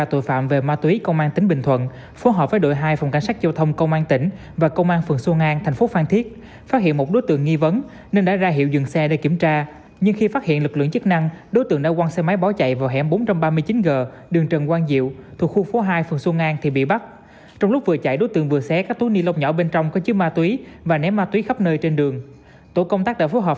tổ công tác đã phối hợp phòng kỹ thuật hình sự công an tỉnh